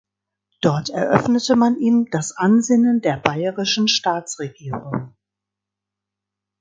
Dort eröffnete man ihm das Ansinnen der bayerischen Staatsregierung.